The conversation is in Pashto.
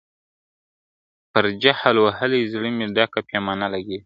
پر جل وهلي زړه مي ډکه پیمانه لګېږې !.